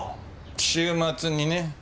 週末にね。